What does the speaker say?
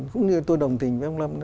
cũng như tôi đồng tình với ông lâm